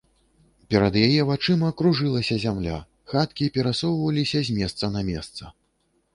Перад яе вачыма кружылася зямля, хаткі перасоўваліся з месца на месца.